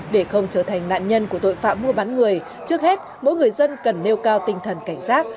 để không trở thành nạn nhân của tội phạm mua bán người trước hết mỗi người dân cần nêu cao tinh thần cảnh giác